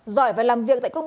giỏi và làm việc tại công ty